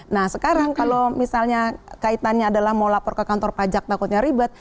nah sekarang kalau misalnya kaitannya adalah mau lapor ke kantor pajak takutnya ribet